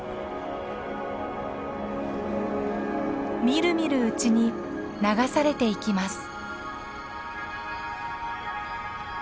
みるみるうちに流されていきます。